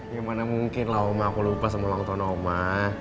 gimana mungkin lah om ma aku lupa sama ulang tahun om ma